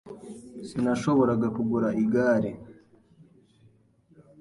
Sinashoboraga kugura igare.